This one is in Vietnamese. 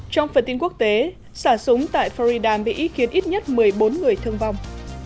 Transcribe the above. trong phần tin quốc tế xả súng tại florida bị khiến ít nhất một mươi bốn người thương vong